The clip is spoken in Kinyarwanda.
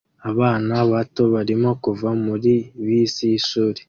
Abana bato barimo kuva muri bisi y'ishuri